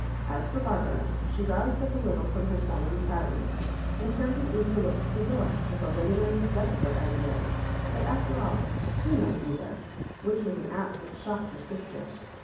As for Bar* bara, she roused up a little from her sullen silence, and turned an eager look to the door, with a lingering, desperate idea thati after all, he might be there — which was an act which shocked her sister.